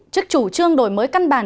trước chủ trương đổi mới căn bản